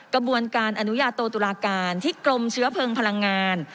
กระบวนการอนุญาโตตุลาการที่กรมเชื้อเพลิงพลังงาน